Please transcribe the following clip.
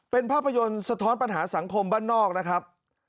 เป็นภาพยนตร์สะท้อนปัญหาสังคมบ้านนอกนะครับ